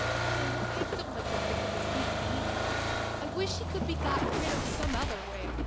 "Oh, I don't like to think of his being eaten! I wish he could be got rid of some other way.